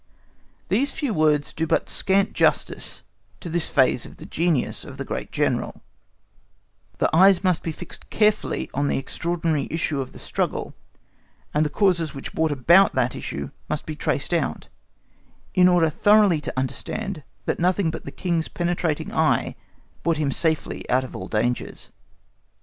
These few words do but scant justice to this phase of the genius of the great General; the eyes must be fixed carefully on the extraordinary issue of the struggle, and the causes which brought about that issue must be traced out, in order thoroughly to understand that nothing but the King's penetrating eye brought him safely out of all his dangers.